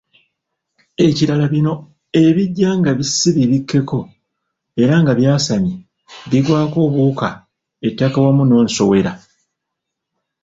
Ekirala bino ebijja nga si bibikkeko, era nga byasamye, bigwako obuwuka, ettaka wamu nensowera